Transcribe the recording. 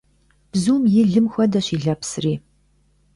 Бзум и лым хуэдэщ и лэпсри.